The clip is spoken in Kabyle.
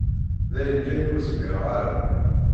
Dayen kan ur zmireɣ ara.